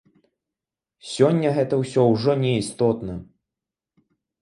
Сёння гэта ўсё ўжо не істотна.